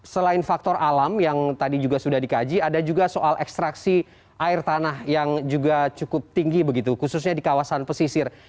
selain faktor alam yang tadi juga sudah dikaji ada juga soal ekstraksi air tanah yang juga cukup tinggi begitu khususnya di kawasan pesisir